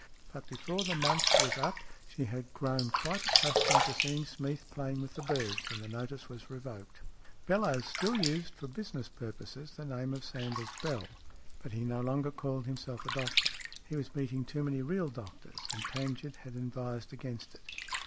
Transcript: But before the month was up she had grown quite accustomed to seeing Smeath playing with the birds, and the notice was revoked. STORIES IN GREY BELLOWES still used for business purposes the name of Sanders Bell, but he no longer called himself a doctor. He was meeting too many real doctors, and Tangent had advised against it.